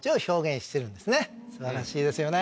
素晴らしいですよね。